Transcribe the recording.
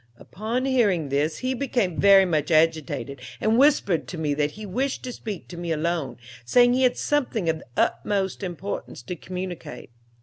"Upon hearing this he became very much agitated, and whispered to me that he wished to speak to me alone, saying he had something of the utmost importance to communicate.